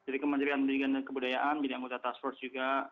dari kementerian pendidikan dan kebudayaan bidang anggota task force juga